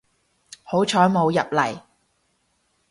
好彩冇入嚟